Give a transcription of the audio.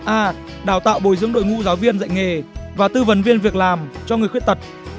a đào tạo bồi dưỡng đội ngũ giáo viên dạy nghề và tư vấn viên việc làm cho người khuyết tật